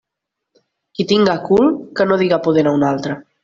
Qui tinga cul que no diga pudent a un altre.